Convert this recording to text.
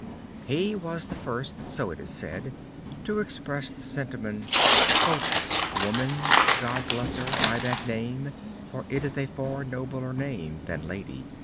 He was the first, so it is said, to express the sentiment: "Woman, God bless her, by that name, for it is a far nobler name than lady."